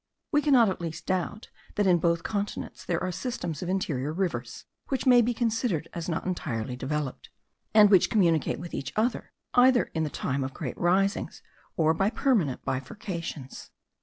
We cannot at least doubt, that in both continents there are systems of interior rivers, which may be considered as not entirely developed; and which communicate with each other, either in the time of great risings, or by permanent bifurcations.